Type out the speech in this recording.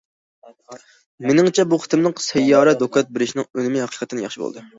مېنىڭچە بۇ قېتىملىق سەييارە دوكلات بېرىشنىڭ ئۈنۈمى ھەقىقەتەن ياخشى بولدى.